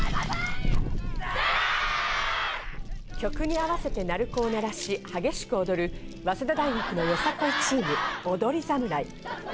曲に合わせて鳴子を鳴らし激しく踊る、早稲田大学のよさこいチーム・踊り侍。